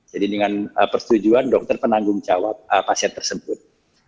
jadi dengan persetujuan dokter penanggung jawab pasien tersebut